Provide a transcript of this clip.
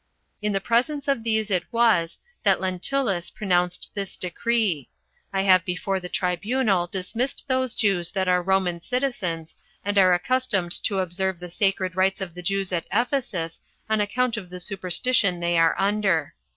In the presence of these it was that Lentulus pronounced this decree: I have before the tribunal dismissed those Jews that are Roman citizens, and are accustomed to observe the sacred rites of the Jews at Ephesus, on account of the superstition they are under."